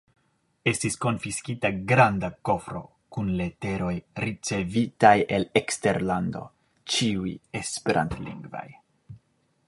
Estis konfiskita granda kofro kun leteroj ricevitaj el eksterlando, ĉiuj esperantlingvaj.